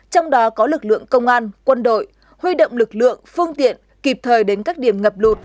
bảo lực lượng công an quân đội huy động lực lượng phương tiện kịp thời đến các điểm ngập lụt